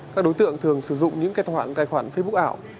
các đối tượng thường sử dụng những cái tài khoản facebook ảo